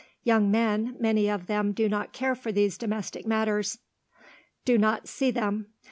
Young men, many of them do not care for these domestic matters; do not see them.